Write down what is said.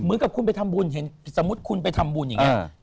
เหมือนกับคุณไปทำบุญเห็นสมมุติคุณไปทำบุญอย่างนี้